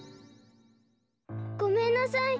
ごめんなさい。